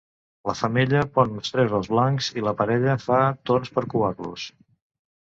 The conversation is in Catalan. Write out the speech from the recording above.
La femella pon uns tres ous blancs, i la parella fa torns per covar-los.